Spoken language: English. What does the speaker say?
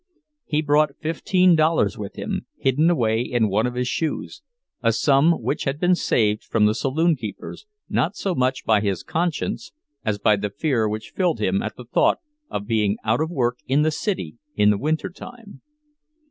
He brought fifteen dollars with him, hidden away in one of his shoes, a sum which had been saved from the saloon keepers, not so much by his conscience, as by the fear which filled him at the thought of being out of work in the city in the winter time.